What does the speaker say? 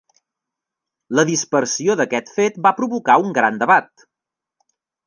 La dispersió d'aquest fet va provocar un gran debat.